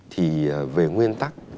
thì về nguyên tắc